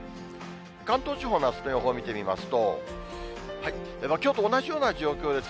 関東地方のあすの予報見てみますと、きょうと同じような状況です。